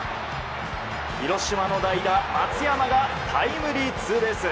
広島の代打、松山がタイムリーツーベース。